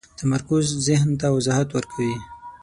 تمرکز ذهن ته وضاحت ورکوي.